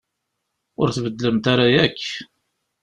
Ur tbeddlemt ara akk.